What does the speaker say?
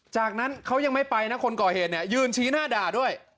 จากนั้นเขายังไม่ไปนะคนก่อเหตุเนี่ยยืนชี้หน้าด่าด้วย